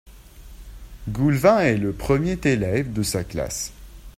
Goulven est le premier élève de sa classe.